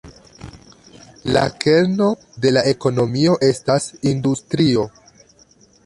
La kerno de la ekonomio estas industrio.